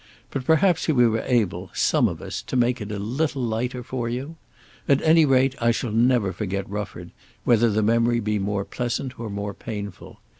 But perhaps we were able, some of us, to make it a little lighter for you. At any rate I shall never forget Rufford, whether the memory be more pleasant or more painful.